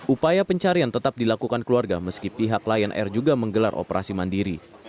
upaya pencarian tetap dilakukan keluarga meski pihak lion air juga menggelar operasi mandiri